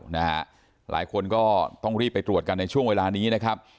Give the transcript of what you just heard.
นะฮะหลายคนก็ต้องรีบไปตรวจกันในช่วงเวลานี้นะครับ